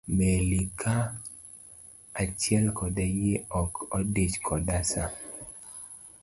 meli kaa achiel koda yie ok odich koda sa.